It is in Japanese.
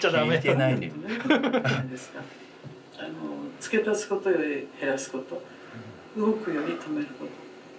「付け足すことより減らすこと動くより止めること」。